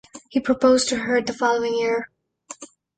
He proposed to her the following year.